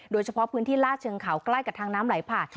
โดยเฉพาะพื้นที่ลาดเชิงเขาใกล้กับทางน้ำไหลผ่าน